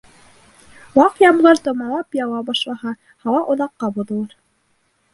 Ваҡ ямғыр томалап яуа башлаһа, һауа оҙаҡҡа боҙолор.